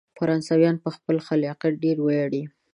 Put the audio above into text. فرانسویان په خپل خلاقیت ډیر ویاړي.